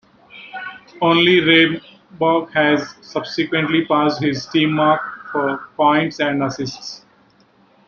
Only Ray Bourque has subsequently passed his team mark for points and assists.